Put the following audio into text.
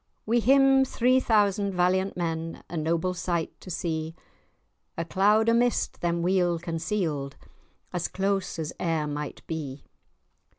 Wi' him three thousand valiant men, A noble sight to see! A cloud o' mist them weel conceal'd, As close as e'er might be.